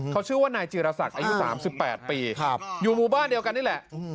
เขาชื่อว่านายจีรศักดิ์อายุ๓๘ปีอยู่หมู่บ้านเดียวกันนี่แหละ